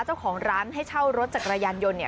เจ้าของร้านให้เช่ารถจักรยานยนต์เนี่ย